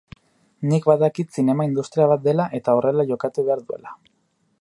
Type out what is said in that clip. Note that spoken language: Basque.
Nik badakit zinema industria bat dela eta horrela jokatu behar duela.